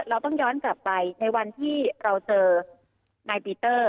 เราต้องย้อนกลับไปในวันที่เราเจอนายปีเตอร์